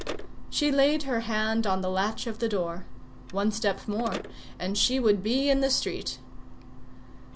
She laid her hand on the latch of the door. One step more and she would be in the street.